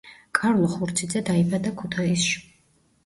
კარლო ხურციძე დაიბადა ქუთაისში.